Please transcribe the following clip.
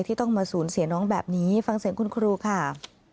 ที่ต้องมาสูญเสียน้องแบบนี้ฟังเสียงคุณครูค่ะ